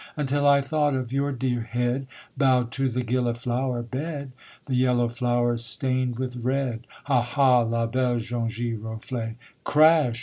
_ Until I thought of your dear head, Bow'd to the gilliflower bed, The yellow flowers stain'd with red; Hah! hah! la belle jaune giroflée. Crash!